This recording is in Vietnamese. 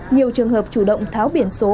nhiều trường hợp chủ động tháo biển số